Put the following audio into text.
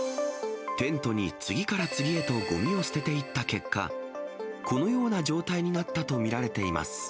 テントに次から次へとごみを捨てていった結果、このような状態になったと見られています。